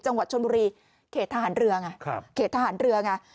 จังหวัดชนบุรีเขตทหารเรือง